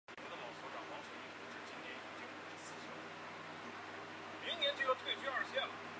随后议会由选举产生。